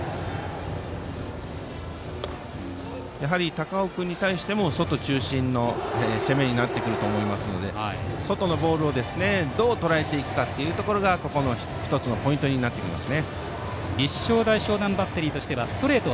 高尾君に対しても外中心の攻めになると思いますので外のボールをどうとらえていくかがここの１つのポイントになります。